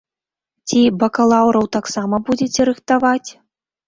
Ці бакалаўраў таксама будзеце рыхтаваць?